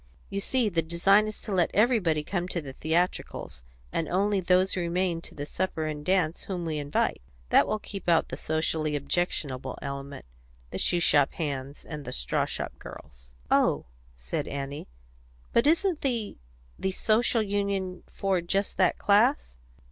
You see, the design is to let everybody come to the theatricals, and only those remain to the supper and dance whom we invite. That will keep out the socially objectionable element the shoe shop hands and the straw shop girls." "Oh," said Annie. "But isn't the the Social Union for just that class?"